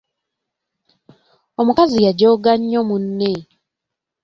Omukazi yajooga nnyo munne.